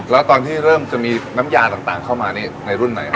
แล้วตอนที่เริ่มจะมีน้ำยาต่างเข้ามานี่ในรุ่นไหนครับ